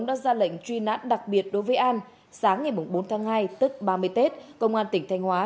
đã ra lệnh truy nã đặc biệt đối với an sáng ngày bốn tháng hai tức ba mươi tết công an tỉnh thanh hóa